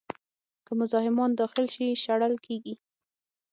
که مزاحمان داخل شي، شړل کېږي.